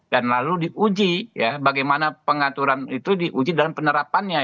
dan lalu diuji ya bagaimana pengaturan itu diuji dalam penerapannya